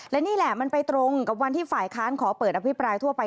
และนี่แหละมันไปตรงกับวันที่ฝ่ายค้านขอเปิดอภิปรายทั่วไป